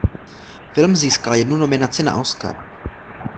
Film získal jednu nominaci na Oscara.